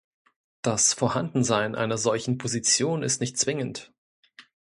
Das Vorhandensein einer solchen Position ist nicht zwingend.